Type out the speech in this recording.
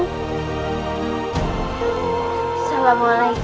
hai assalamualaikum walaikum salam